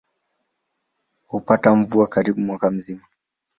Hupata mvua karibu mwaka mzima.